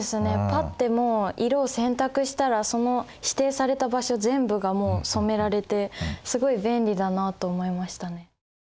パッてもう色を選択したらその指定された場所全部がもう染められてすごい便利だなと思いましたね。